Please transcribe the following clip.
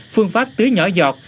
phương pháp tưới nhỏ giọt